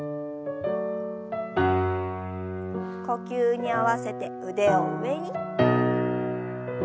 呼吸に合わせて腕を上に。